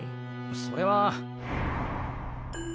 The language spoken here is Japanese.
それは。